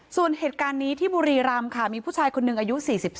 ส่วนเหตุการณ์นี้ที่บุรีรำค่ะมีผู้ชายคนหนึ่งอายุ๔๒